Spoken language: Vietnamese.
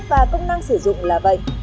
và công năng sử dụng là vậy